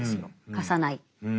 貸さない。